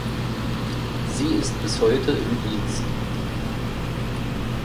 Sie ist bis heute im Dienst.